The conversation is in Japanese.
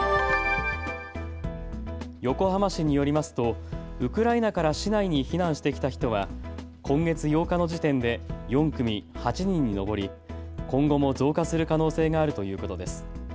横浜市によりますとウクライナから市内に避難してきた人は今月８日の時点で４組８人に上り今後も増加する可能性があるということです。